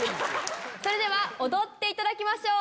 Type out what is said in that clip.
それでは踊っていただきましょう。